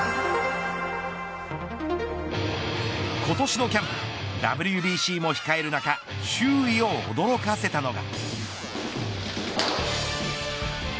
今年のキャンプＷＢＣも控える中周囲を驚かせたのが。